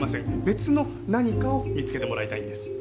別の何かを見つけてもらいたいんです。